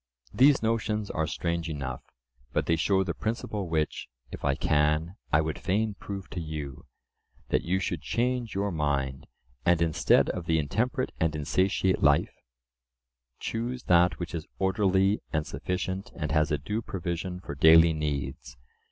These notions are strange enough, but they show the principle which, if I can, I would fain prove to you; that you should change your mind, and, instead of the intemperate and insatiate life, choose that which is orderly and sufficient and has a due provision for daily needs.